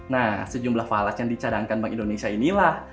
nah sejumlah falas yang dicadangkan bank indonesia inilah